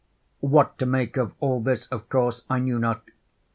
What to make of all this, of course I knew not.